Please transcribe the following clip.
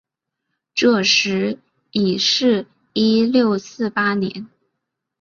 这时已是一六四八年。